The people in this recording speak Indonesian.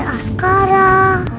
sama dede askaran